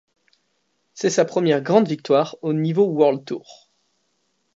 C'est sa première grande victoire au niveau World Tour.